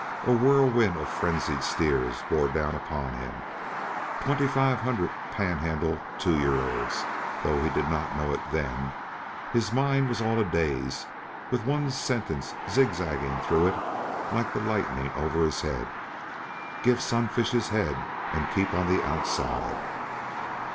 A whirlwind of frenzied steers bore down upon him twenty five hundred Panhandle two year olds, though he did not know it then, his mind was all a daze, with one sentence zigzagging through it like the lightning over his head, "Give Sunfish his head, and keep on the outside!"